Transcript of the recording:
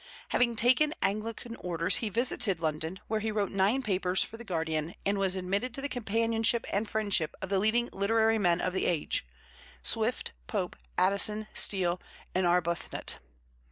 Having taken Anglican orders, he visited London, where he wrote nine papers for the Guardian and was admitted to the companionship and friendship of the leading literary men of the age Swift, Pope, Addison, Steele, and Arbuthnot.